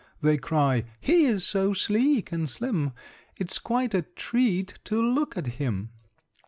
They cry "He is so sleek and slim, It's quite a treat to look at him!"